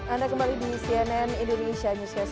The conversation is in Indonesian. anda kembali di cnn indonesia newscast